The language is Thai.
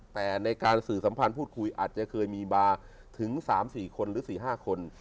แต่ในการสื่อสัมพันธ์พูดคุยอาจจะเคยมีมาถึง๓๔คนหรือ๔๕คน